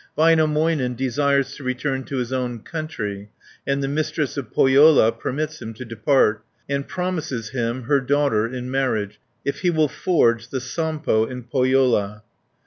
Väinämöinen desires to return to his own country, and the Mistress of Pohjola permits him to depart, and promises him her daughter in marriage if he will forge the Sampo in Pohjola (275 322).